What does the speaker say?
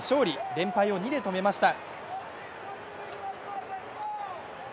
連敗を２で止めました。